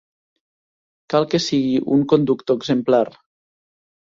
Cal que sigui un conductor exemplar.